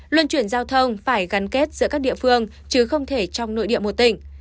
luân chuyển giao thông phải gắn kết giữa các địa phương chứ không thể trong nội địa một tỉnh